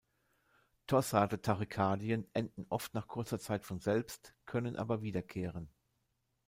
Torsade-Tachykardien enden oft nach kurzer Zeit von selbst, können aber wiederkehren.